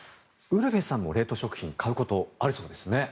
ウルヴェさんも冷凍食品を買うことがあるそうですね。